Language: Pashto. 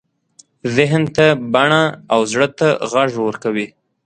ذهن ته بڼه او زړه ته غږ ورکوي.